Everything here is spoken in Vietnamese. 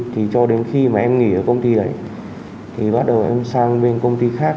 thì cho đến khi mà em nghỉ ở công ty ấy thì bắt đầu em sang bên công ty khác